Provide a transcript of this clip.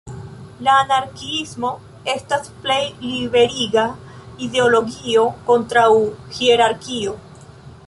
La anarkiismo estas plej liberiga ideologio kontraŭ hierarkio.